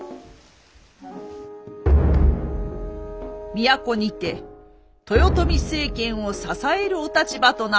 都にて豊臣政権を支えるお立場となった神の君。